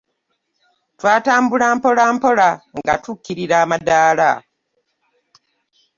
Twatambula mpolampola nga tukkirira amadaala.